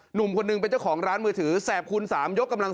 หนุ่มคนหนึ่งเป็นเจ้าของร้านมือถือแสบคูณ๓ยกกำลัง